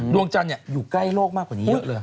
ดวงจันทร์อยู่ใกล้โลกมากกว่านี้เยอะเลย